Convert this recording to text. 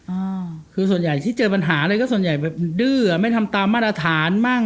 อ่าคือส่วนใหญ่ที่เจอปัญหาอะไรก็ส่วนใหญ่แบบดื้ออ่ะไม่ทำตามมาตรฐานมั่ง